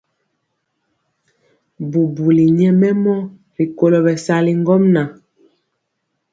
Bubuli nyɛmemɔ rikolo bɛsali ŋgomnaŋ.